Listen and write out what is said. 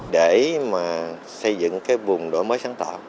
để mà xây dựng cái vùng đổi mới sáng tạo